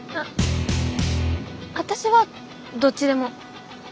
私はどっちでも。